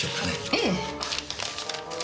ええ。